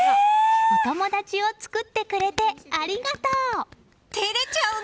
お友達を作ってくれてありがとう！